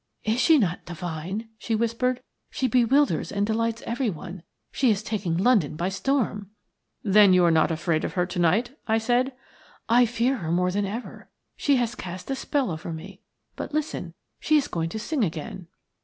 "Is she not divine?" she whispered. "She bewilders and delights everyone. She is taking London by storm." "Then you are not afraid of her tonight?" I said. "I fear her more than ever. She has cast a spell over me. But listen, she is going to sing again."